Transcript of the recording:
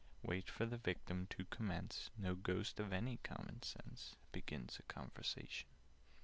Wait for the Victim to commence: No Ghost of any common sense Begins a conversation.